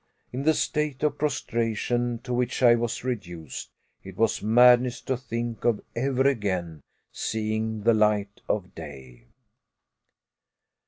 In the state of prostration to which I was reduced, it was madness to think of ever again seeing the light of day.